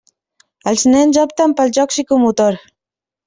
Els nens opten pel joc psicomotor.